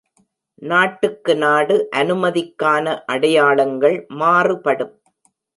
நாட்டுக்கு நாடு அனுமதிக்கான அடையாளங்கள் மாறுபடும்.